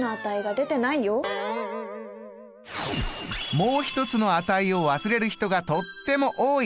もう１つの値を忘れる人がとっても多い！